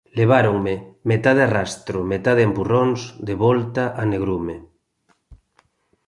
Leváronme, metade a rastro, metade a empurróns, de volta á negrume.